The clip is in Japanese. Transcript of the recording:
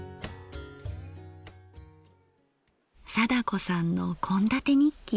貞子さんの献立日記。